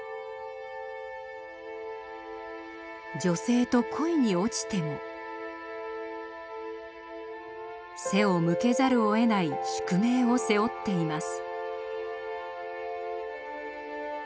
女性と恋に落ちても背を向けざるをえない宿命を背負っています。